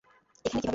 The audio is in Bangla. এখানে কীভাবে এলে?